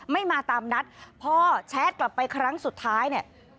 ไม่มาตามนัดพอแชทกลับไปครั้งสุดท้ายเนี่ย